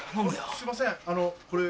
すいませんこれ。